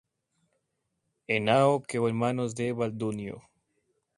Henao quedó en manos de Balduino.